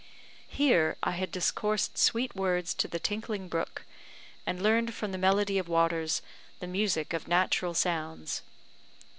Here, I had discoursed sweet words to the tinkling brook, and learned from the melody of waters the music of natural sounds.